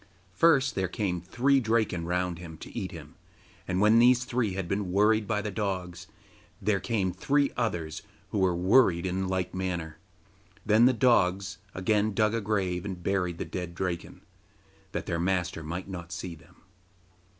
First there came three Draken round about to eat him, and when these three had been worried by the dogs, there came three others who were worried in like manner. Then the dogs again dug a grave and buried the dead Draken, that their master might not see them.